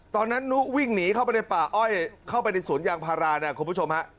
ตอนนั้นนุ๊กวิ่งหนีเข้าไปในป่าอ้อยเข้าไปในสวนยางพารานะครับคุณผู้ชมฮะ